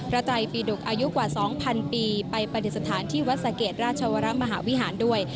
ไตรปีดุกอายุกว่า๒๐๐ปีไปปฏิสถานที่วัดสะเกดราชวรมหาวิหารด้วย